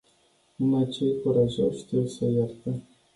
Numai cei curajoși știu să ierte.